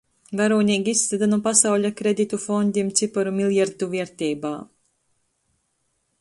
Varūneigi "izsyta" nu pasauļa kreditu fondim ciparu miljardu vierteibā...